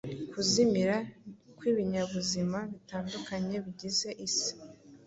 kuzimira kw’ibinyabuzima bitandukanye bigize isi